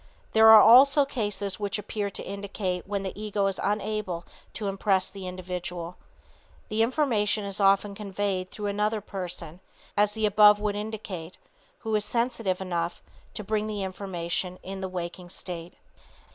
There are also cases which appear to indicate when the ego is unable to impress the individual. The information is often conveyed through another person, as the above would indicate, who is sensitive enough to bring the information in the waking state.